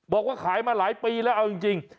บอกว่าขายมาหลายปีแล้วเอาจริง